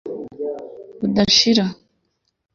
budashira